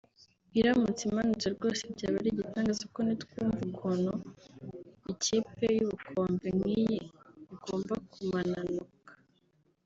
Iramutse imanutse rwose byaba ari igitangaza kuko ntitwumva ukuntu ikipe y’ubukombe nk’iyi igomba kumananuka